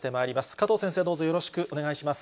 加藤先生、どうぞよろしくお願いします。